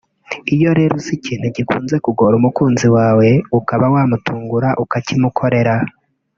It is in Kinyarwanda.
iyo rero uzi ikintu gikunze kugora umukunzi wawe ukaba wamutungura ukakimukorera